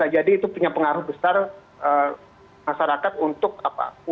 jadi itu punya pengaruh besar masyarakat untuk apa